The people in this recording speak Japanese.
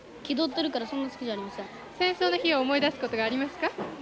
気取ってるからそんな好きじゃありません戦争の日を思い出すことがありますか？